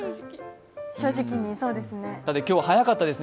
正直に、そうですね。